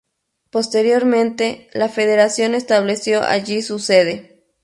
Posteriormente, la Federación estableció allí su sede.